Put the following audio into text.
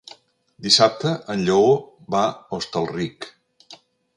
Dissabte en Lleó va a Hostalric.